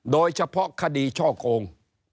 โดยเฉพาะคดีช่อโกง